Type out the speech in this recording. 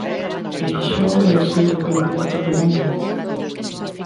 Feixóo vai ser do candidato que gañe.